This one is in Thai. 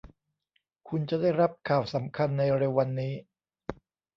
คุณจะได้รับข่าวสำคัญในเร็ววันนี้